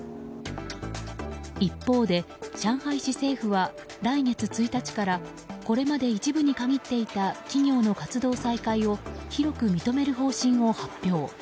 一方で上海市政府は来月１日からこれまで一部に限っていた企業の活動再開を広く認める方針を発表。